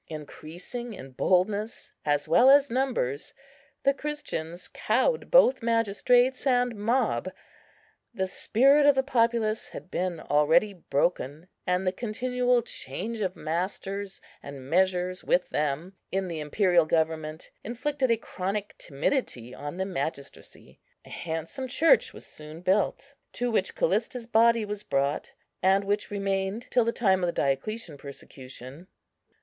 Increasing in boldness, as well as numbers, the Christians cowed both magistrates and mob. The spirit of the populace had been already broken; and the continual change of masters, and measures with them, in the imperial government, inflicted a chronic timidity on the magistracy. A handsome church was soon built, to which Callista's body was brought, and which remained till the time of the Diocletian persecution.